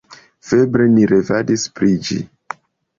Febre ni revadis pri ĝi.